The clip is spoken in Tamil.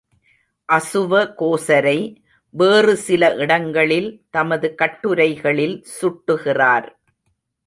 அசுவகோசரை வேறு சில இடங்களில் தமது கட்டுரைகளில் சுட்டுகிறார்.